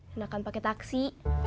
nggak akan pakai taksi